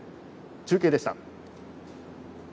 中継でした。